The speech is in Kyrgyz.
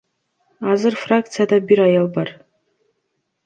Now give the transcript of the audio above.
Азыр фракцияда бир аял бар.